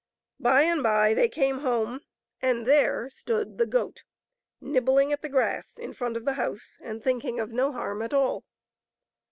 By and by they came home, and there stood the goat, nibbling at the grass in front of the house and thinking of no harm at all.